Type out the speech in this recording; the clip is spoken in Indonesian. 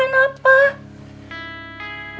pak guru itu ngerti hukum nak